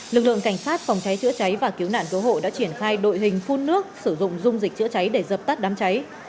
lực lượng cảnh sát phòng cháy chữa cháy và cứu nạn cứu hộ đã triển khai đội hình phun nước sử dụng dung dịch chữa cháy để dập tắt đám cháy